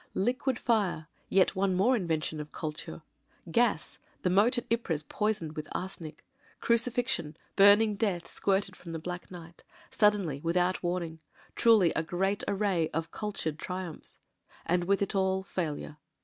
... Liquid fire — ^yet one more invention of ''Kultur; gas; the moat at Ypres poisoned with arsenic; cruci fixion ; burning death squirted from the black night — suddenly, without warning : truly a great array of Kul tured triumphs. ... And with it all — failure.